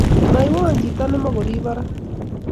Naywoo chito ne mukuribon ra